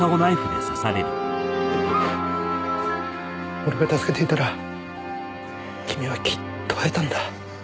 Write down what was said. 俺が助けていたら君はきっと会えたんだ。